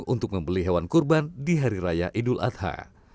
untuk membeli hewan kurban di hari raya idul adha